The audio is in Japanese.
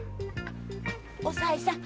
おさいさん。